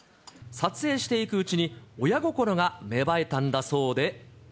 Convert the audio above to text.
撮影していくうちに、親心が芽生えたんだそうで。